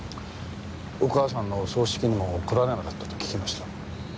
お母さんのお葬式にも来られなかったと聞きました。